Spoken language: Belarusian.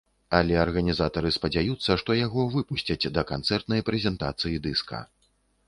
Але арганізатары спадзяюцца, што яго выпусцяць да канцэртнай прэзентацыі дыска.